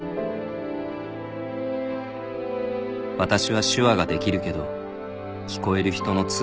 「私は手話ができるけど聞こえる人の通訳はできない」